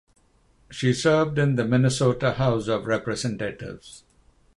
She served in the Minnesota House of Representatives.